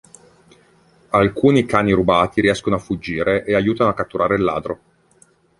Alcuni cani rubati riescono a fuggire e aiutano a catturare il ladro.